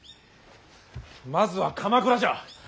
まずは鎌倉じゃ。